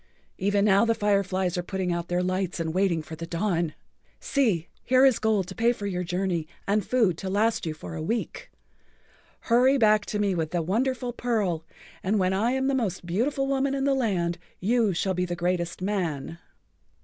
Even now the fireflies are putting out their lights and waiting for the dawn. See, here is gold to pay for your journey and food to last you for a week. Hurry back to me with the wonderful pearl, and when I am the[Pg 64] most beautiful woman in the land you shall be the greatest man."